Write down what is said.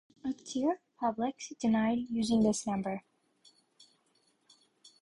Akter Public denied using this number.